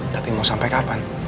tapi mau sampai kapan